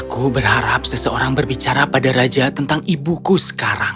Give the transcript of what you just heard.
aku berharap seseorang berbicara pada raja tentang ibuku sekarang